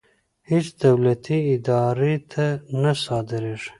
هېڅ دولتي ادارې ته نه صادرېږي.